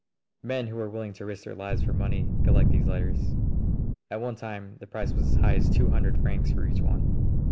Men who are willing to risk their lives for money collect these letters. At one time the price was as high as two hundred francs for each one.